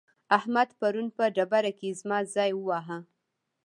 احمد پرون په ډبره کې زما ځای وواهه.